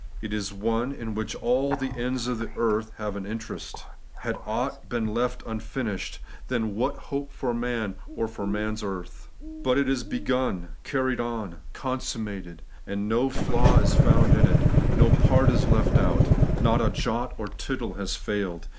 It is one in which aU the ends of the earth have an interest Had ought been left unfinished, then what hope for man or for man's earth ? But it is begun, carried on, consiunmated ; 56 The Everlasting Righteousness. and no flaw is found in it; no part is left out; not a jot or tittle has failed.